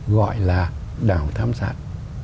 gọi là đảo tham sát